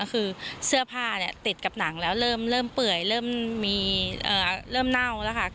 คือเสื้อผ้าเนี้ยติดกับหนังแล้วเริ่มเริ่มเปื่อยเริ่มมีเอ่อเริ่มเน่าแล้วค่ะ